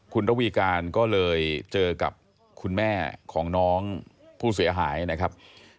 คุณระวีการก็เลยเจอกับคุณแม่ของน้องผู้เสียหายนะครับ